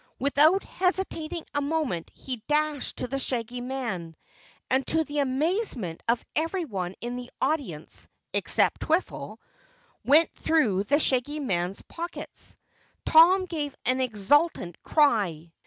Without hesitating a moment he dashed to the Shaggy Man, and to the amazement of everyone in the audience except Twiffle, went through the Shaggy Man's pockets. Tom gave an exultant cry.